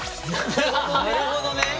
なるほどね。